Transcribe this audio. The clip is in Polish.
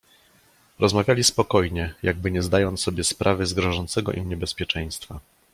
"Rozmawiali spokojnie, jakby nie zdając sobie sprawy z grożącego im niebezpieczeństwa."